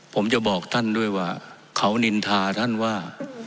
ผมจะบอกท่านด้วยว่าเขานินทาท่านว่า